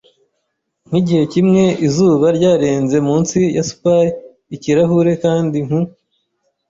Nkigihe kimwe, izuba ryarenze munsi ya Spy-ikirahure, kandi nku